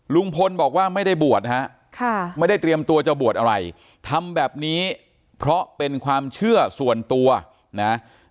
ลุงพลบอกว่าไม่ได้บวชนะฮะไม่ได้เตรียมตัวจะบวชอะไรทำแบบนี้เพราะเป็นความเชื่อส่วนตัวนะ